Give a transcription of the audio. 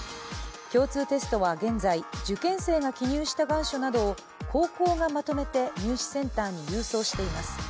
共通テストは現在受験生が記入した願書などを高校がまとめて入試センターに郵送しています。